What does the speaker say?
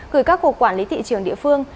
gửi các cục quản lý thị trường địa phương